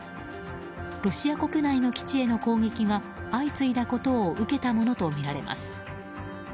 ロシア国内の基地への攻撃が相次いだことを受けたものとみられます。